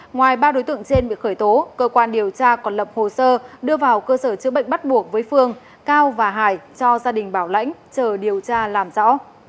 ngoài ba đối tượng trên bị khởi tố cơ quan điều tra còn lập hồ sơ đưa vào cơ sở chữa bệnh bắt buộc với phương cao và hải cho gia đình bảo lãnh chờ điều tra làm rõ